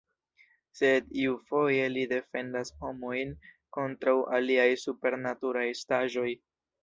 Sed iufoje li defendas homojn kontraŭ aliaj "supernaturaj" estaĵoj.